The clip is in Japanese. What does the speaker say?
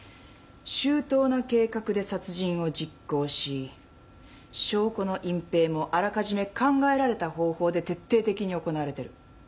周到な計画で殺人を実行し証拠の隠ぺいもあらかじめ考えられた方法で徹底的に行われてる。